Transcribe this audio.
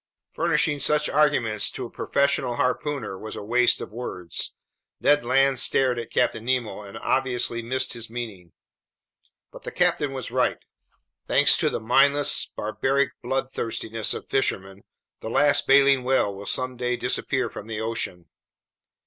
Furnishing such arguments to a professional harpooner was a waste of words. Ned Land stared at Captain Nemo and obviously missed his meaning. But the captain was right. Thanks to the mindless, barbaric bloodthirstiness of fishermen, the last baleen whale will someday disappear from the ocean.